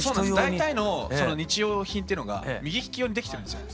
大体の日用品ってのが右利き用にできてるんですよ。